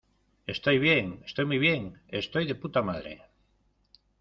estoy bien. estoy muy bien, estoy de_puta_madre .